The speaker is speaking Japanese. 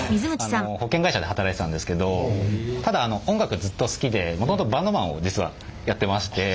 保険会社で働いてたんですけどただ音楽がずっと好きでもともとバンドマンを実はやってまして。